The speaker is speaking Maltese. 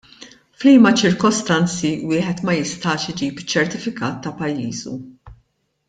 F'liema ċirkostanzi wieħed ma jistax iġib iċ-ċertifikat ta' pajjiżu?